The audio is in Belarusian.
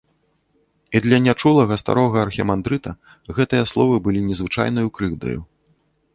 І для нячулага старога архімандрыта гэтыя словы былі незвычайнаю крыўдаю.